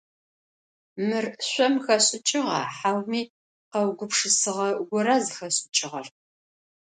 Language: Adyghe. Мыр шъом хэшӏыкӏыгъа, хьауми къэугупшысыгъэ гора зыхэшӏыкӏыгъэр?